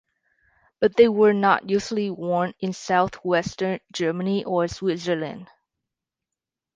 But they were not usually worn in southwestern Germany or Switzerland.